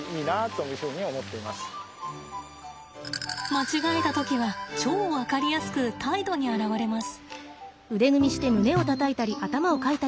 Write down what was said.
間違えた時は超分かりやすく態度に表れます。